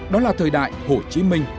đó là thời đại hồ chí minh